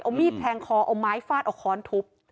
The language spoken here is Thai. เอามีดแทงคอเอาไม้ฟาดเอาค้อนทุบ